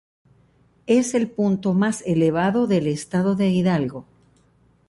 Es el punto más elevado del estado de Hidalgo.